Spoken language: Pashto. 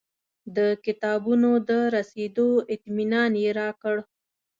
د کتابونو د رسېدو اطمنان یې راکړ.